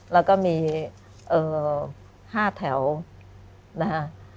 แล้วก็มี๕แถวนะฮะ